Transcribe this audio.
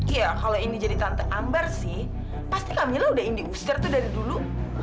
iya kalau ini jadi tante ambar sih pasti kami lah udah indi uster tuh dari dulu